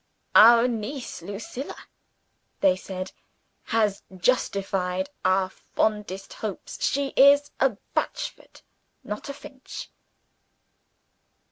"Our niece Lucilla," they said, "has justified our fondest hopes she is a Batchford, not a Finch!"